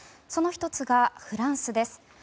その１つがフランスです。